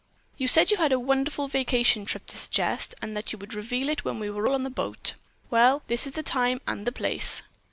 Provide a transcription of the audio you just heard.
"You said you had a wonderful vacation trip to suggest, and that you would reveal it when we were on the boat. Well, this is the time and the place."